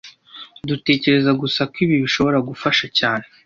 Dutekereza gusa ko ibi bishobora gufasha cyane